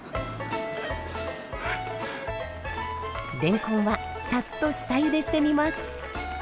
レンコンはさっと下ゆでしてみます。